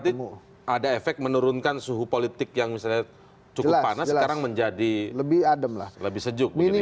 berarti ada efek menurunkan suhu politik yang misalnya cukup panas sekarang menjadi lebih sejuk